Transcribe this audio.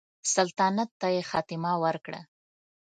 سلطنت ته یې خاتمه ورکړه.